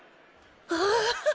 ああ！